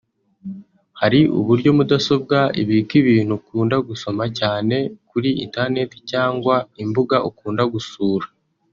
Hari uburyo mudasobwa ibika ibintu ukunda gusoma cyane kuri internet cyangwa imbuga ukunda gusura